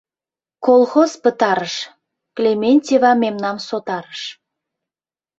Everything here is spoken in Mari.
Колхоз пытарыш, Клементьева мемнам сотарыш.